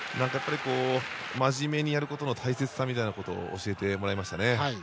まじめにやることの大切さみたいなことを教えてもらいましたね。